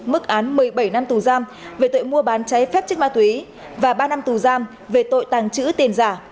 mức án một mươi bảy năm tù giam về tội mua bán cháy phép chất ma túy và ba năm tù giam về tội tàng trữ tiền giả